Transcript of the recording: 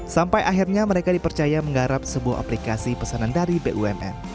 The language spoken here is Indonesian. sampai akhirnya mereka dipercaya menggarap sebuah aplikasi pesanan dari bumn